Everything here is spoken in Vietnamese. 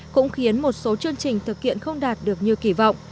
cũng khiến một số chương trình thực hiện không đạt được như kỳ vọng